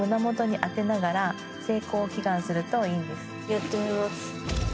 やってみます。